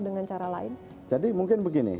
dengan cara lain jadi mungkin begini